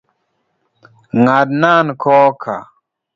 Ng'adnan koka.